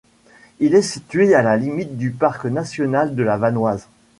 Il est situé à la limite du parc national de la Vanoise.